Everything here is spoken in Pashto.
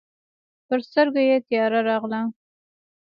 پر سترګو یې تياره راغله.